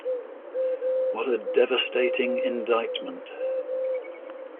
What a devastating indictment.